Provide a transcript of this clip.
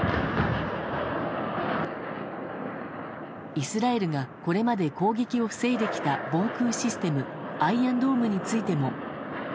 イスラエルがこれまで攻撃を防いできた防空システムアイアンドームについても。